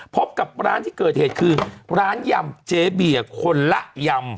พบกับร้านที่เกิดเหตุคือร้านยำเจเบียร์คนละยำ